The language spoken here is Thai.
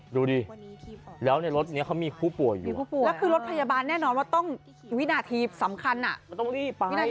ดูดิรถเขามีผู้ป่วยรถพยาบาลแน่นอนว่าต้องวินาทีสำคัญต้องเร่งไป